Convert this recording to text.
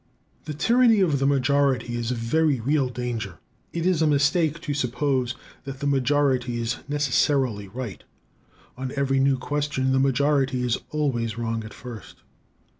The tyranny of the majority is a very real danger. It is a mistake to suppose that the majority is necessarily right. On every new question the majority is always wrong at first.